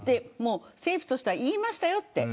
政府としては言いましたよと。